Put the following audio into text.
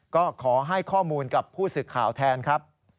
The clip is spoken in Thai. ก็ขอให้ข้อมูลกับผู้สื่อข่าวแทนครับ